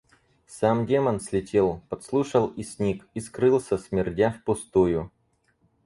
Сам Демон слетел, подслушал, и сник, и скрылся, смердя впустую.